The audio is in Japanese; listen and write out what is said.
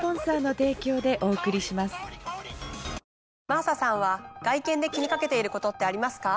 真麻さんは外見で気にかけていることってありますか？